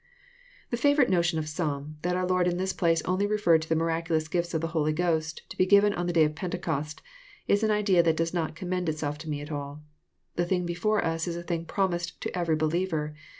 The favourite notion of some, that our Lord in this place only referred to the miraculous gifts of the Holy Ghost, to be given on the day of Pentecost, is an idea that does not commend itself to me sJ; all. The thing before us is a thing promised to every believer.